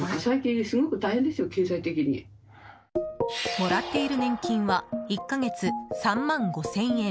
もらっている年金は１か月３万５０００円。